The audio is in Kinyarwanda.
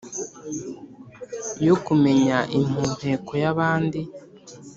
yo kumenya impumeko y'abandi